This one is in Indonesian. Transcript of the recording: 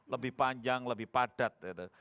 lebih panjang lebih padat gitu